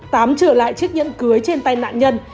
tám trở lại chiếc nhẫn cưới trên tay nạn nhân